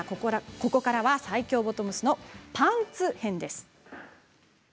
ここからは最強ボトムスパンツ編です。